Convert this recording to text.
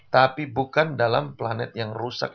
tapi bukan dalam planet yang rusak